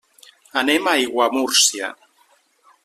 Anem a Aiguamúrcia.